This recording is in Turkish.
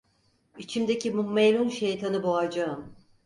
İçimdeki bu melun şeytanı boğacağım!